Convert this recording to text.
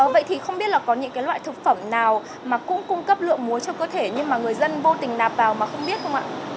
vậy thì không biết là có những loại thực phẩm nào mà cũng cung cấp lượng muối cho cơ thể nhưng mà người dân vô tình nạp vào mà không biết không ạ